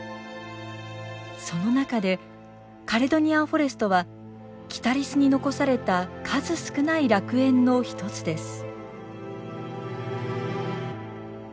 その中でカレドニアンフォレストはキタリスに残された数少ない楽園の一つです。